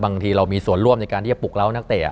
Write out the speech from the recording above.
บางทีเรามีส่วนร่วมในการที่จะปลุกเล้านักเตะ